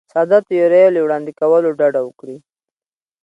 ساده تیورۍ له وړاندې کولو ډډه وکړي.